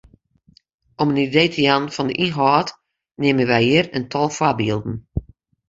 Om in idee te jaan fan de ynhâld neame wy hjir in tal foarbylden.